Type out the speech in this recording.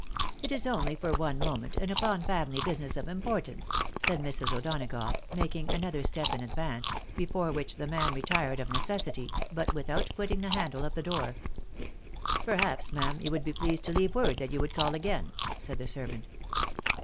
" It is only for one moment, and upon family business of importance," said Mrs. O'Douagough, maldng another step in advance, before which the man retired of necessity, but without • quitting the handle of the door. " Perhaps, ma'am, you would be pleased to leave word that you would call again," said the servant.